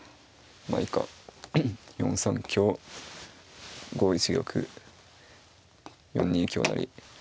まあ以下４三香５一玉４二香成